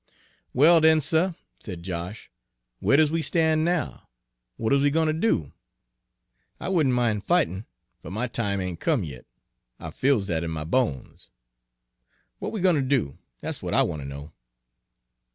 "Well, den, suh," said Josh, "where does we stan' now? W'at is we gwine ter do? I wouldn' min' fightin', fer my time ain't come yit, I feels dat in my bones. W'at we gwine ter do, dat's w'at I wanter know."